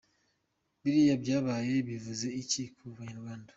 Biriya byabaye bivuze iki ku banyarwanda?